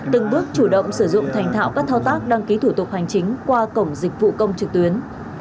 từng bước chủ động sử dụng thành thạo các thao tác đăng ký thủ tục hành chính qua cổng dịch vụ công trực tuyến